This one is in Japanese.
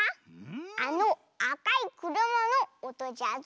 あのあかいくるまのおとじゃぞ。